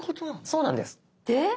そうなんです。